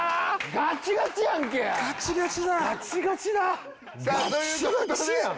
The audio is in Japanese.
ガチガチやん！